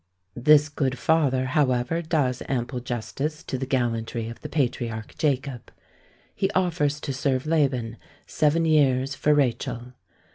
This good father, however, does ample justice to the gallantry of the Patriarch Jacob. He offers to serve Laban, seven years for Rachel.